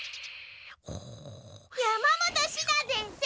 山本シナ先生